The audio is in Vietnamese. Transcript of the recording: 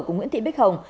của nguyễn thị bích hồng